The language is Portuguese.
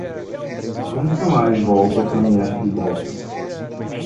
Nunca mais volto a caminhar de bota.